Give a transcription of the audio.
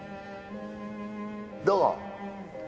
どう？